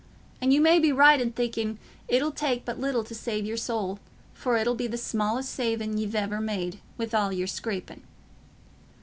An' you may be right i' thinking it'll take but little to save your soul, for it'll be the smallest savin' y' iver made, wi' all your scrapin'."